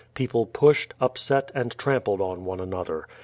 People pushed, upset and trampled on one another.